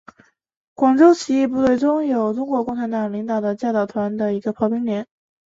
广州起义部队中有中国共产党领导的教导团的一个炮兵连。